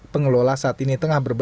pengelola saat ini tengah berbentuk